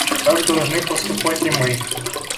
Так должны поступать и мы.